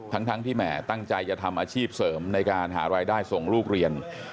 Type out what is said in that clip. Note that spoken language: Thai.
ทั้งที่แหมตั้งใจจะทำอาชีพเสริมในการหารายได้ส่งลูกเรียน